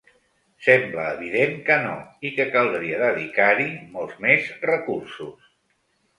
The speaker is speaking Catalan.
Sembla evident que no i que caldria dedicar-hi molts més recursos.